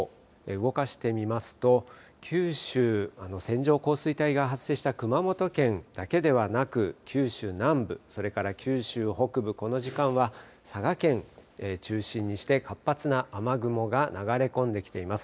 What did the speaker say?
動かしてみますと九州、線状降水帯が発生した熊本県だけではなく九州南部、それから九州北部、この時間は佐賀県中心にして活発な雨雲が流れ込んできています。